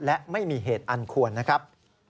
และไม่มีเหตุอันควรนะครับ